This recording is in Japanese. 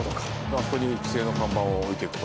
あそこに規制の看板を置いていくと。